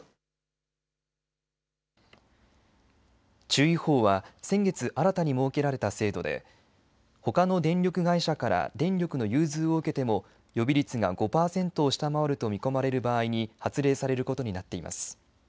注意報は先月新たに設けられた制度でほかの電力会社から電力の融通を受けても予備率が５％を下回ると見込まれる場合に発令されることになっています。